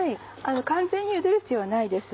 完全にゆでる必要はないです。